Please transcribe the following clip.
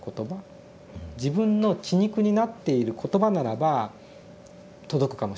自分の血肉になっている言葉ならば届くかもしれない。